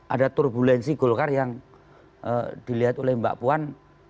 ada turbulensi golkar yang dilihat oleh mbak puan